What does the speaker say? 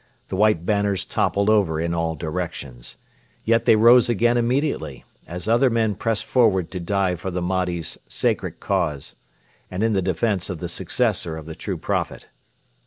The white banners toppled over in all directions. Yet they rose again immediately, as other men pressed forward to die for the Mahdi's sacred cause and in the defence of the successor of the True Prophet.